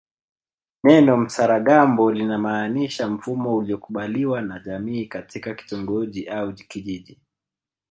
Neno msaragambo linamaanisha mfumo uliokubaliwa na jamii katika kitongoji au kijiji